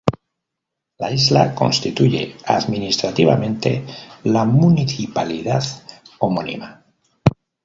La isla constituye administrativamente la municipalidad homónima.